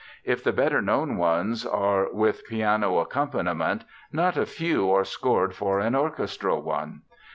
If the better known ones are with piano accompaniment, not a few are scored for an orchestral one.